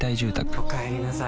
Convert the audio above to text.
おかえりなさい。